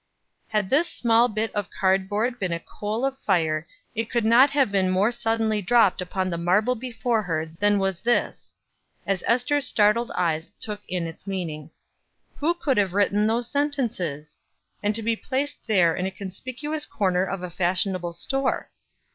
Had the small bit of card board been a coal of fire it could not have been more suddenly dropped upon the marble before her than was this, as Ester's startled eyes took in its meaning. Who could have written those sentences? and to be placed there in a conspicuous corner of a fashionable store?